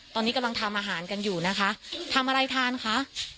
ตอนนี้กำลังทำอาหารกันอยู่นะคะทำอะไรทานคะ